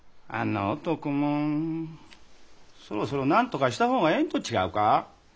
あの男もそろそろなんとかした方がええんと違うか？